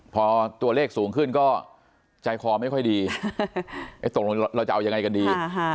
พอตัวเลขสูงขึ้นก็ใจคอไม่ค่อยดีตกลงเราจะเอายังไงกันดี